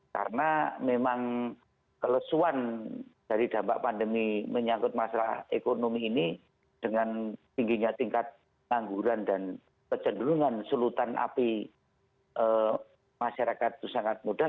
karena memang kelesuan dari dampak pandemi menyangkut masalah ekonomi ini dengan tingginya tingkat angguran dan kecenderungan selutan api masyarakat itu sangat mudah